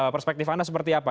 perspektif anda seperti apa